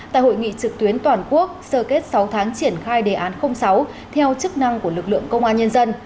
tại hội nghị trực tuyến toàn quốc sơ kết sáu tháng triển khai đề án sáu theo chức năng của lực lượng công an nhân dân